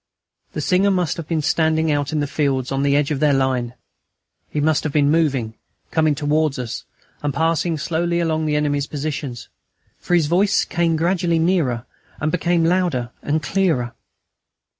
The singer must have been standing out in the fields on the edge of their line; he must have been moving, coming towards us, and passing slowly along all the enemy's positions, for his voice came gradually nearer, and became louder and clearer.